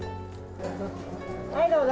はい、どうぞ。